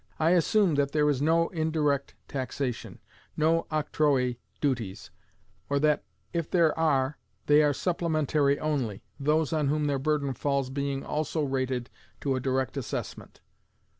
I assume that there is no indirect taxation, no octroi duties, or that, if there are, they are supplementary only, those on whom their burden falls being also rated to a direct assessment.